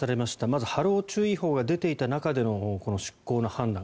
まず波浪注意報が出ていた中でのこの出航の判断